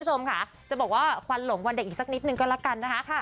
คุณผู้ชมค่ะจะบอกว่าควันหลงวันเด็กอีกสักนิดนึงก็แล้วกันนะคะ